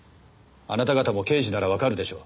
あなた方も刑事ならわかるでしょう？